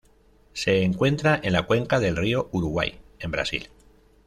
Se encuentra en la cuenca del río Uruguay en Brasil.